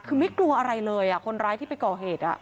คือไม่กลัวอะไรเลยคนร้ายที่ไปก่อเหตุ